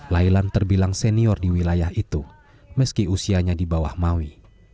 lailan terbilang senior di wilayah itu meski usianya di bawah maui